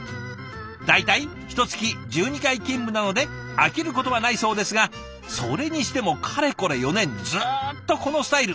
大体ひとつき１２回勤務なので飽きることはないそうですがそれにしてもかれこれ４年ずっとこのスタイル。